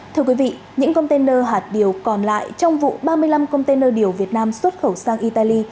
thưa quý vị những container hạt điều còn lại trong vụ ba mươi năm container điều việt nam xuất khẩu sang italy